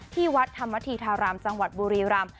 ที่วัดธรรมธีธารามจังหวัดบุรีรำ